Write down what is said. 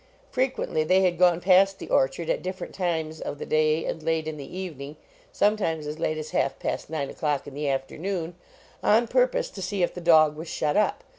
Frequently they had gone past the orchard at different times of the day and late in the evening sometimes as late as half past nine o clock in the afternoon on purpose to see if the dog was shut up.